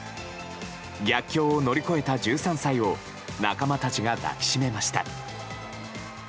逆境を乗り越えた１３歳を仲間たちが抱きしめました。